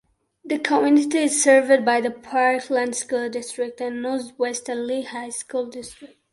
The community is served by the Parkland School District and Northwestern Lehigh School District.